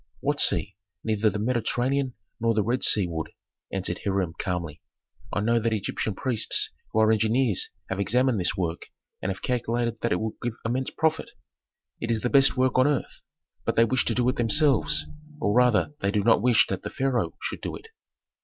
"What sea? Neither the Mediterranean nor the Red Sea would," answered Hiram calmly. "I know that Egyptian priests who are engineers have examined this work and have calculated that it would give immense profit, it is the best work on earth. But they wish to do it themselves, or rather they do not wish that the pharaoh should do it."